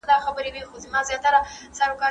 مثبت چاپېريال ماشوم ته ډاډ ورکوي.